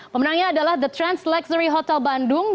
pemenangnya adalah the trans luxury hotel bandung